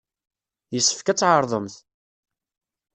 Yessefk ad tɛerḍemt!